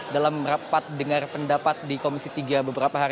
dalam rapat dengar pendapat di komisi tiga beberapa hari